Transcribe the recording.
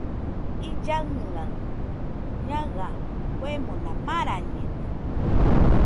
Illaɨnɨaɨ ñaɨa kuemona marañede.